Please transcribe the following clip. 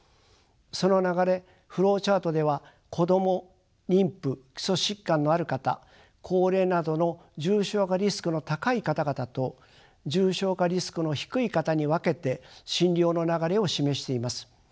その流れフローチャートでは子供妊婦基礎疾患のある方高齢などの重症化リスクの高い方々と重症化リスクの低い方に分けて診療の流れを示しています。